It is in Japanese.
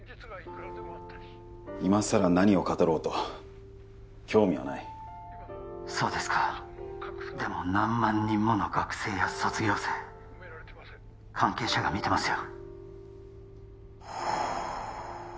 今さら何を語ろうと興味はないそうですかでも何万人もの学生や卒業生関係者が見てますよ